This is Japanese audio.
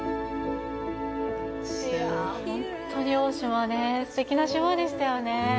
本当に大島ね、すてきな島でしたよね。